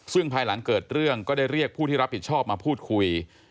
ซึ่งภายหลังเกิดเรื่องก็ได้เรียกผู้ที่รับผิดชอบมาพูดคุย